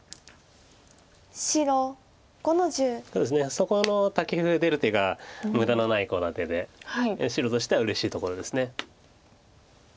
そこのタケフ出る手が無駄のないコウ立てで白としてはうれしいところです。